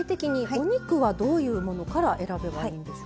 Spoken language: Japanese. お肉はどういうものから選べばいいんでしょうか？